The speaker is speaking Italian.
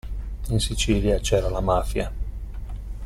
In Sicilia c'era la Mafia.